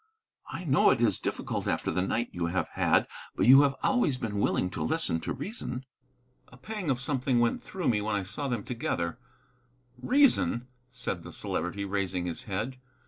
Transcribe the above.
"I know it is difficult after the night you have had. But you have always been willing to listen to reason." A pang of something went through me when I saw them together. "Reason," said the Celebrity, raising his head.